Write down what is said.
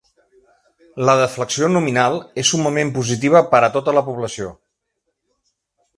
La deflació nominal és summament positiva per a tota la població.